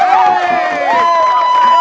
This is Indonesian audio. saya kecil kali pak